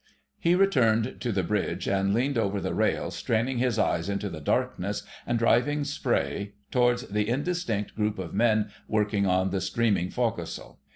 He returned to the bridge and leaned over the rail, straining his eyes into the darkness and driving spray towards the indistinct group of men working on the streaming forecastle.